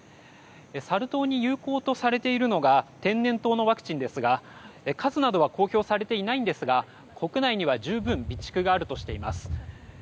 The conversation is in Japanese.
サル痘に有効とされているのが天然痘のワクチンですが数などは公表されていないんですが国内には十分備蓄があるとしています。